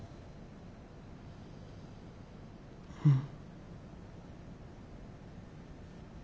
うん。